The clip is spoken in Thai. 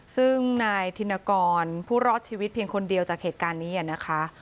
ซึ่งนายธินกรผู้รอดชีวิตเพียงคนเดียวจากเหตุการณ์นี้นะคะ